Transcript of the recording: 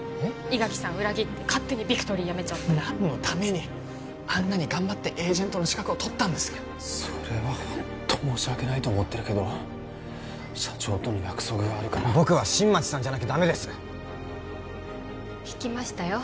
伊垣さんを裏切って勝手にビクトリー辞めちゃって何のためにあんなに頑張ってエージェントの資格をとったんですかそれはホント申し訳ないと思ってるけど社長との約束があるから僕は新町さんじゃなきゃダメです聞きましたよ